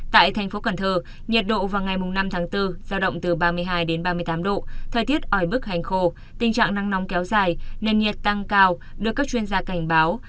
tại thành phố cần thơ nhiệt độ vào ngày năm tháng bốn giao động từ ba mươi hai ba mươi tám độ thời tiết ói bức hành khô tình trạng nắng nóng kéo dài nền nhiệt tăng cao được các chuyên gia cảnh báo